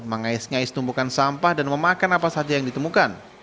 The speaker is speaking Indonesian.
mengais ngais tumpukan sampah dan memakan apa saja yang ditemukan